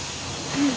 うん。